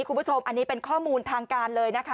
คุณผู้ชมอันนี้เป็นข้อมูลทางการเลยนะคะ